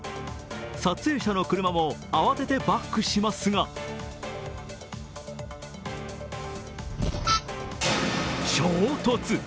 撮影者の車も慌ててバックしますが衝突！